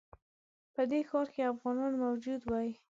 په دې ښار کې افغانان موجود وای.